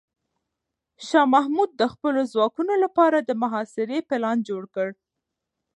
شاه محمود د خپلو ځواکونو لپاره د محاصرې پلان جوړ کړ.